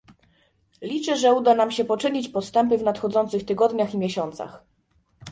Liczę, że uda się nam poczynić postępy w nadchodzących tygodniach i miesiącach